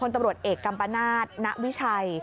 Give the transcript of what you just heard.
ตำรวจเอกกัมปนาศณวิชัย